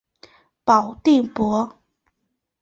保定伯。